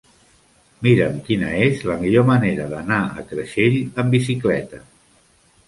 Mira'm quina és la millor manera d'anar a Creixell amb bicicleta.